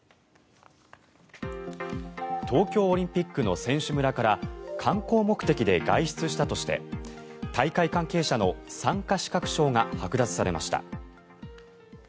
東京オリンピックの選手村から観光目的で外出したとして大会関係者の参加資格証がはく奪されました。